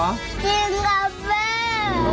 จริงครับแม่